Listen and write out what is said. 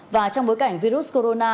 và trong bối cảnh virus corona